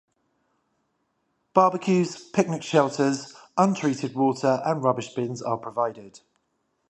Barbeques, picnic shelters, untreated water and rubbish bins are provided.